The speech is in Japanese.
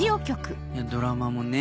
ドラマもね